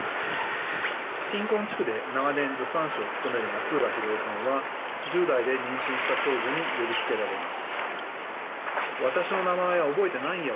貧困地区で長年助産師をつとめる松浦洋栄さんは１０代で妊娠した少女に呼びつけられます。